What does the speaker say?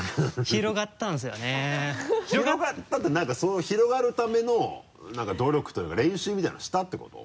広がったって何かその広がるための何か努力というか練習みたいなのしたってこと？